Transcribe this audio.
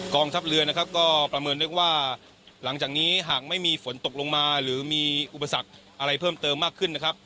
ทัพเรือนะครับก็ประเมินได้ว่าหลังจากนี้หากไม่มีฝนตกลงมาหรือมีอุปสรรคอะไรเพิ่มเติมมากขึ้นนะครับ